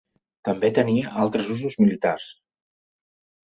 També tenia altres usos militars.